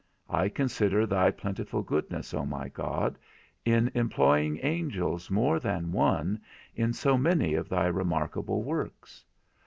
I consider thy plentiful goodness, O my God, in employing angels more than one in so many of thy remarkable works.